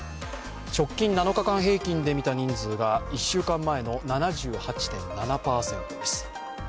直近７日間平均で見た人数が１週間前の７８．７％です。